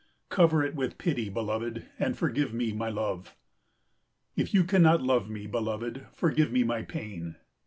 Cover it with pity, beloved, and forgive me my love. If you cannot love me, beloved, forgive me my pain.